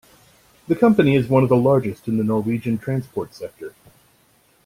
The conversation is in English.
The company is one of the largest in the Norwegian transport sector.